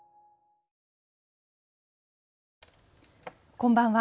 こんばんは。